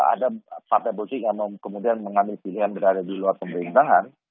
ada partai politik yang kemudian mengambil pilihan berada di luar pemerintahan